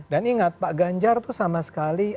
dan ingat pak ganjar itu sama sekali